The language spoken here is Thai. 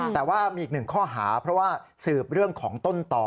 แต่ว่ามีอีกหนึ่งข้อหาเพราะว่าสืบเรื่องของต้นต่อ